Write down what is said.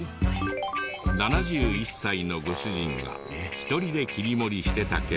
７１歳のご主人が１人で切り盛りしてたけど。